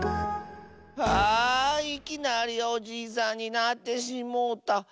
ああいきなりおじいさんになってしもうた。